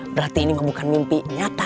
berarti ini bukan mimpi nyata